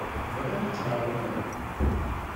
Tebɣiḍ ad tεerḍeḍ?